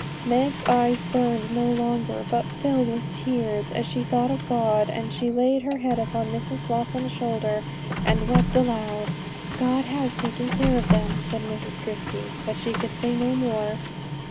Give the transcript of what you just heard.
Meg's eyes burned no longer, but filled with tears as she thought of God, and she laid her head upon Mrs Blossom's shoulder, and wept aloud. 'God has taken care of them,' said Mrs Christie, but she could say no more.